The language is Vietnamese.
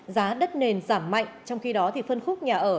giá đất nền giảm mạnh trong khi đó thì phân khúc nhà ở